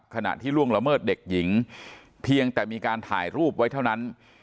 ขณะที่ล่วงละเมิดเด็กหญิงเพียงแต่มีการถ่ายรูปไว้เท่านั้น